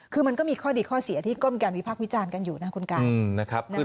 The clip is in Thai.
คือมันก็มีข้อดีข้อเสียที่ก็มีการวิพักษ์วิจารณ์กันอยู่นะคุณกาย